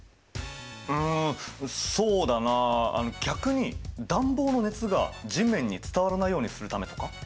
うんそうだな逆に暖房の熱が地面に伝わらないようにするためとか？